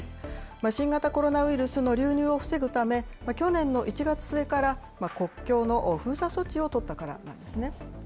新型コロナウイルスの流入を防ぐため、去年の１月末から国境の封鎖措置を取ったからなんですね。